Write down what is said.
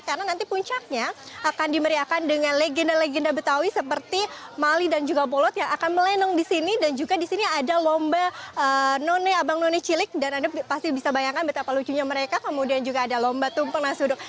karena nanti puncaknya akan di meriahkan dengan legenda legenda betawi seperti mali dan juga polot yang akan melenung disini dan juga disini ada lomba none abang none